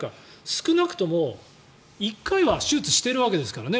少なくとも１回は手術してるわけですからね。